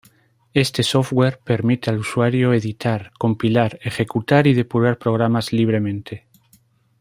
Este software permite al usuario editar, compilar, ejecutar y depurar programas libremente.